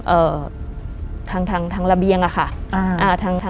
เอ่อทางระเบียงอะค่ะทางระเบียงข้างบ้าน